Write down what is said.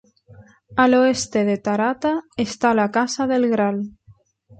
Al oeste de Tarata está la casa del Gral.